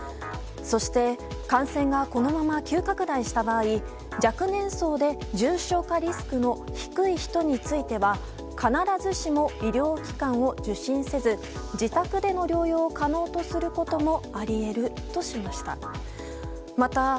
そして感染がこのまま急拡大した場合若年層で重症化リスクの低い人については必ずしも医療機関を受診せず自宅での療養可能とすることもあり得るとしました。